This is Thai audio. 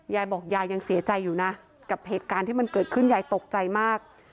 ยายบอกยายยังเสียใจอยู่นะกับเหตุการณ์ที่มันเกิดขึ้นยายตกใจมาก